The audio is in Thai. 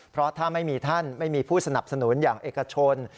เพราะถ้าไม่มีท่านไม่มีผู้สนับสนุนอย่างเอกชน